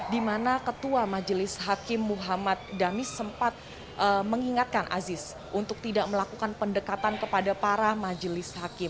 dimana ktuah majelis hakim muhammad damis sempat mengingatkan asis untuk tidak melakukan pendekatan kepada para majelis hakim